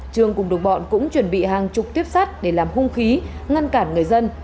trường cùng đồng bọn cũng chuẩn bị hàng chục tiếp sát để làm hung khí ngăn cản người dân